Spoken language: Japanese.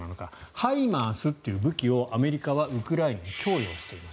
ＨＩＭＡＲＳという武器をアメリカはウクライナに供与しています。